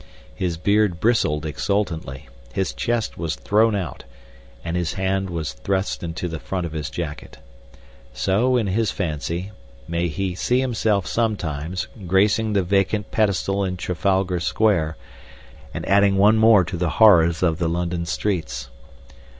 His beard bristled exultantly, his chest was thrown out, and his hand was thrust into the front of his jacket. So, in his fancy, may he see himself sometimes, gracing the vacant pedestal in Trafalgar Square, and adding one more to the horrors of the London streets.